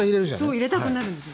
そう入れたくなるんです。